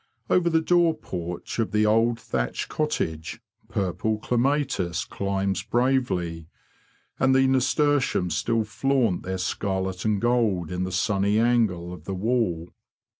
Over the door porch of the old thatched cottage purple clematis climbs bravely; and the nasturtiums still flaunt their scarlet and gold in the sunny angle of the wall.